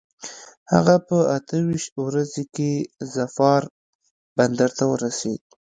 هغه په اته ویشت ورځي کې ظفار بندر ته ورسېد.